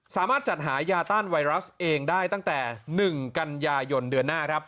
สามารถจัดหายาต้านไวรัสเองได้ตั้งแต่๑กันยายนเดือนหน้าครับ